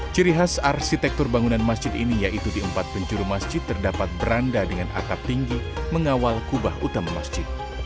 ciri khas arsitektur bangunan masjid ini yaitu di empat penjuru masjid terdapat beranda dengan atap tinggi mengawal kubah utama masjid